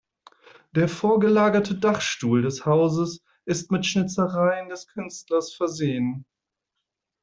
Der vorgelagerten Dachstuhl des Hauses ist mit Schnitzereien des Künstlers versehen.